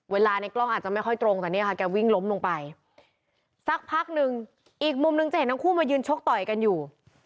ในกล้องอาจจะไม่ค่อยตรงแต่เนี่ยค่ะแกวิ่งล้มลงไปสักพักหนึ่งอีกมุมหนึ่งจะเห็นทั้งคู่มายืนชกต่อยกันอยู่